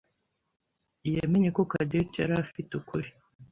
yamenye ko Cadette yari afite ukuri.